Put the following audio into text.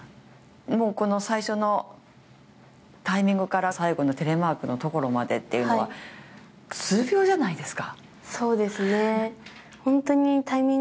もうこの最初のタイミングから最後のテレマークのところまでっていうのは２秒じゃないですか。